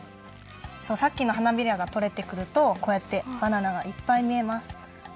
さっきの花びらがとれてくるとこうやってバナナがいっぱいみえます。